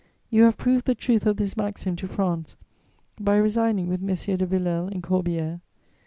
You have proved the truth of this maxim to France by resigning with Messieurs de Villèle and Corbière.